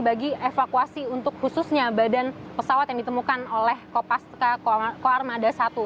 bagi evakuasi untuk khususnya badan pesawat yang ditemukan oleh kopas k koarmada i